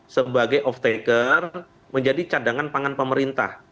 sebagai off taker menjadi cadangan pangan pemerintah